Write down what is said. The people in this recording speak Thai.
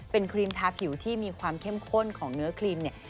เป็นครีมทาผิวที่มีความเข้มข้นของเนื้อครีมเนี่ย